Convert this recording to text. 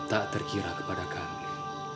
tak terkira kepada kami